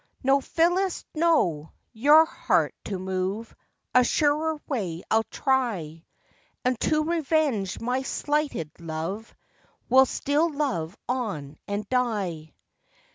No, Phillis, no, your heart to move A surer way I'll try; And to revenge my slighted love, Will still love on and die.